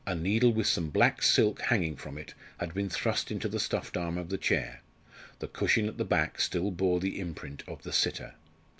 A needle with some black silk hanging from it had been thrust into the stuffed arm of the chair; the cushion at the back still bore the imprint of the sitter.